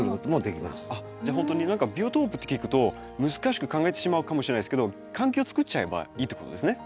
何かビオトープって聞くと難しく考えてしまうかもしれないですけど環境を作っちゃえばいいということですね。